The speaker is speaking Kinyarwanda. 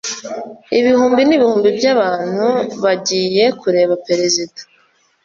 Ibihumbi n'ibihumbi by'abantu bagiye kureba Perezida.